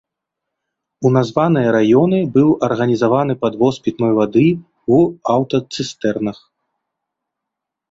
У названыя раёны быў арганізаваны падвоз пітной вады ў аўтацыстэрнах.